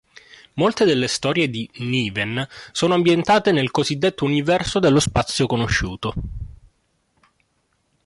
Molte delle storie di Niven sono ambientate nel cosiddetto universo dello Spazio conosciuto.